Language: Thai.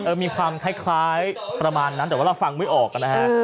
มีความคล้ายประมาณนั้นแต่ว่าเราฟังไม่ออกนะฮะ